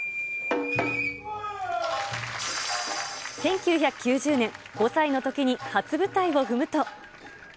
１９９０年、５歳のときに初舞台を踏むと。